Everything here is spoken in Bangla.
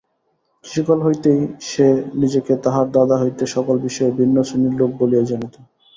শিশুকাল হইতেই সে নিজেকে তাহার দাদা হইতে সকল বিষয়ে ভিন্ন শ্রেণীর লোক বলিয়াই জানিত।